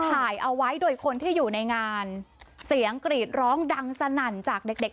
ถ่ายเอาไว้โดยคนที่อยู่ในงานเสียงกรีดร้องดังสนั่นจากเด็กเด็ก